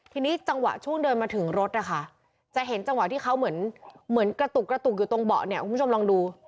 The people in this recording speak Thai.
ทีนี้จังหวะช่วงเดินมาถึงรถนะคะจะเห็นจังหวะที่เขาเหมือนกระตุกกระตุกอยู่ตรงเบาะเนี่ยคุณผู้ชมลองดู